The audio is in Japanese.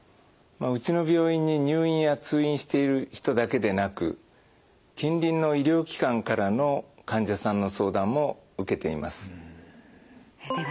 うちの病院に入院や通院している人だけでなく近隣の医療機関からの患者さんの相談も受けています。